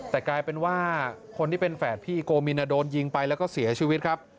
แต่กลายเป็นว่าคนที่เป็นแฝดพี่โกมินโดนยิงไปแล้วก็เสียชีวิตครับ